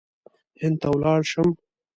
هند ته ولاړ شم.